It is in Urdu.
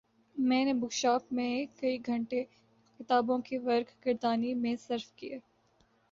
میں نے بک شاپ میں کئی گھنٹے کتابوں کی ورق گردانی میں صرف کئے